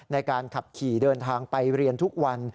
ในการขับขี่เดินทางไปเรียนทุกวัน